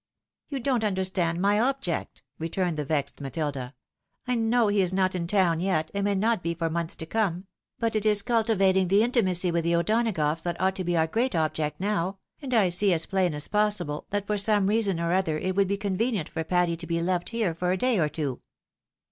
" You don't understand my object," returned the vexed Matilda. " I know he is not in town yet, and may not be for months to come : but it is cultivating the intimacy with the O'Donagoughs that ought to be our great object now, and I see as plain as possible that for some reason or other it would be convenient for Patty to be left here for a day or two.